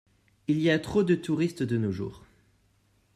Il y a trop de touristes de nos jours.